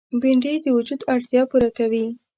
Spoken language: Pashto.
بېنډۍ د وجود اړتیا پوره کوي